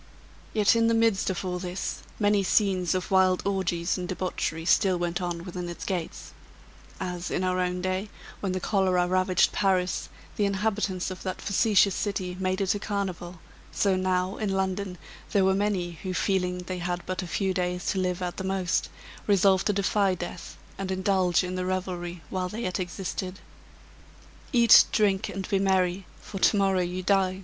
Yet in the midst of all this, many scenes of wild orgies and debauchery still went on within its gates as, in our own day, when the cholera ravaged Paris, the inhabitants of that facetious city made it a carnival, so now, in London, they were many who, feeling they had but a few days to live at the most, resolved to defy death, and indulge in the revelry while they yet existed. "Eat, drink, and be merry, for to morrow you die!"